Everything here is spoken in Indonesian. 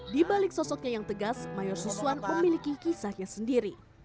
di balik sosoknya yang tegas mayor suswan memiliki kisahnya sendiri